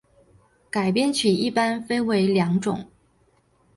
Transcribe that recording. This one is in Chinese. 改编曲一般分为两种。